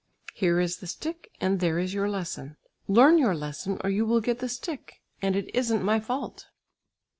Here is the stick, and there is your lesson. Learn your lesson or you will get the stick, and it isn't my fault."